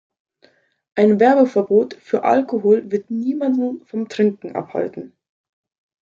Ein Werbeverbot für Alkohol wird niemanden vom Trinken abhalten.